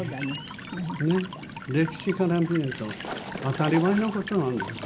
歴史から見ると当たり前の事なんですよ。